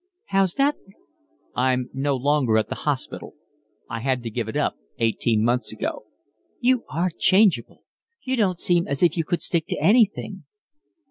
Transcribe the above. "How's that?" "I'm no longer at the hospital. I had to give it up eighteen months ago." "You are changeable. You don't seem as if you could stick to anything."